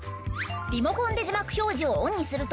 リモコンで字幕表示をオンにすると。